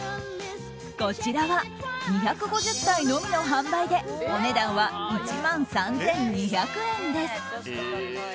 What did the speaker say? こちらは２５０体のみの販売でお値段は１万３２００円です。